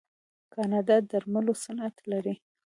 کاناډا د درملو صنعت لري.